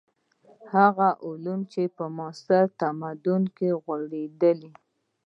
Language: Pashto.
هغه علوم چې په معاصر تمدن کې غوړېدلي.